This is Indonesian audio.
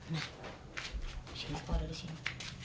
nah masinnya sekolah di sini